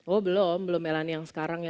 oh belum belum melaniang sekarang